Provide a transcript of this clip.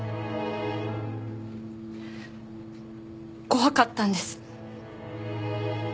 怖かったんです。